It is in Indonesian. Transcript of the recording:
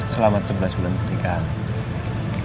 selamat sebelas bulan pernikahan